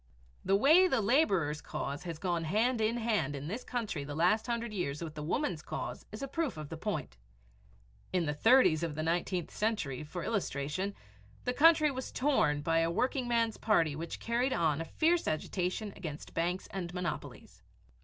The way the laborer's cause has gone hand in hand in this country the last hundred years with the woman's cause is a proof of the point. In the 30's of the nineteenth century, for illustration, the country was torn by a workingman's party which carried on a fierce agitation against banks and monopolies.